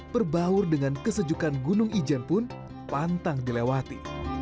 berbaur dengan kesejukan gunung ijen pun pantang dilewati